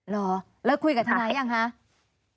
หรอแล้วคุยกับทนายอย่างหรือฮะ